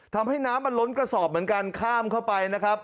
ทำให้น้ำมันล้นกระสอบเหมือนกันข้ามเข้าไปนะครับ